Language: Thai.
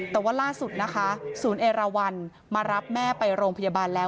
แต่ว่าล่าสุดนะคะศูนย์เอราวันมารับแม่ไปโรงพยาบาลแล้ว